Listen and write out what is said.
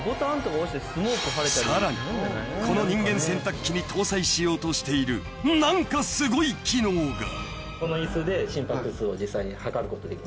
［さらにこの人間洗濯機に搭載しようとしている何かすごい機能が！］